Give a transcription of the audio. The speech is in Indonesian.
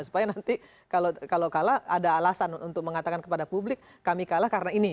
supaya nanti kalau kalah ada alasan untuk mengatakan kepada publik kami kalah karena ini